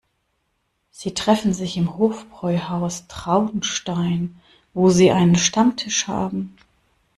Sie treffen sich im Hofbräuhaus Traunstein, wo sie einen Stammtisch haben.